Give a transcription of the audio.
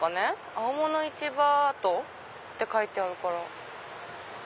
青物市場跡って書いてあるから。